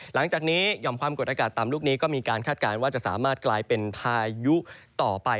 หลังจากนี้หย่อมความกดอากาศต่ำลูกนี้ก็มีการคาดการณ์ว่าจะสามารถกลายเป็นพายุต่อไป